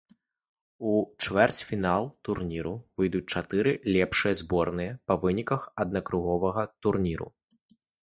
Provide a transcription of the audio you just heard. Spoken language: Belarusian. У чвэрцьфінал турніру выйдуць чатыры лепшыя зборныя па выніках аднакругавога турніру.